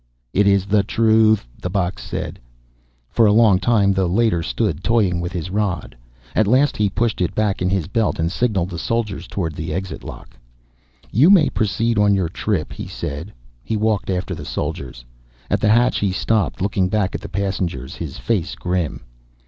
"It is the truth," the box said. For a long time the Leiter stood, toying with his rod. At last he pushed it back in his belt and signalled the soldiers toward the exit lock. "You may proceed on your trip," he said. He walked after the soldiers. At the hatch he stopped, looking back at the passengers, his face grim.